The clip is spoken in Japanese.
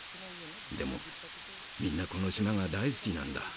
でもみんなこの島が大好きなんだ。